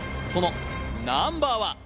そのナンバーは？